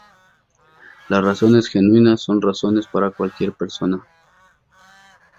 Las razones genuinas son razones para cualquier persona.